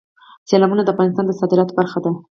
سیلابونه د افغانستان د صادراتو برخه ده.